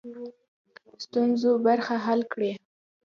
ستونزو برخه حل کړي.